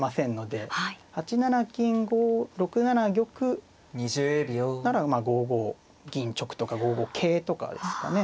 ８七金６七玉なら５五銀直とか５五桂とかですかね。